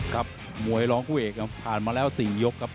กับมวยร้องผู้เอกผ่านมาแล้ว๔ยกครับ